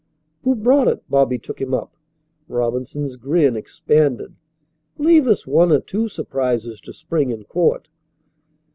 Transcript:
"Who brought it?" Bobby took him up. Robinson's grin expanded. "Leave us one or two surprises to spring in court."